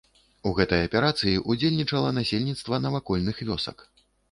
У гэтай аперацыі удзельнічала насельніцтва навакольных вёсак.